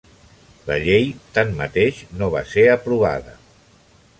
La llei, tanmateix, no va ser aprovada.